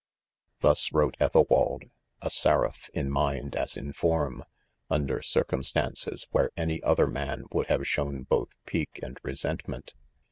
6 Thus wrote; Ethelwald, a seraph in mind as in form, under, circumstances, where any other man would have shown both pique and resentment.